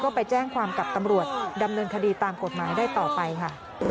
ก็ไปแจ้งความกับตำรวจดำเนินคดีตามกฎหมายได้ต่อไปค่ะ